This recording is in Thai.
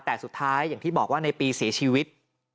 แต่สุดท้ายอย่างที่บอกว่าในปีเสียชีวิต